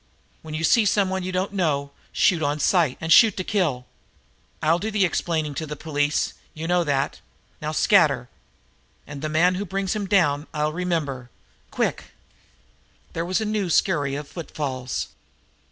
"When you see someone you don't know, shoot on sight, and shoot to kill. I'll do the explaining to the police you know that. Now scatter, and the man who brings him down I'll remember. Quick!" There was a new scurry of footfalls.